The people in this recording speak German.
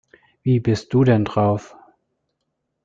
Wie bist du denn drauf?